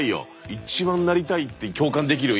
一番なりたいって共感できるよ